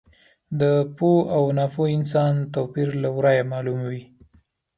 د پوه او ناپوه انسان توپیر له ورایه معلوم وي.